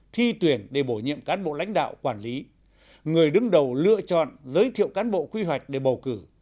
thi tuyển để bổ nhiệm cán bộ lãnh đạo quản lý người đứng đầu lựa chọn giới thiệu cán bộ quy hoạch để bầu cử